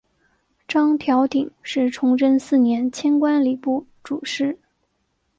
张调鼎是崇祯四年迁官礼部主事。